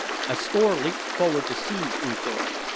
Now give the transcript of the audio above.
A score leaped forward to seize U Thor.